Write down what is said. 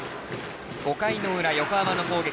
５回の裏、横浜の攻撃。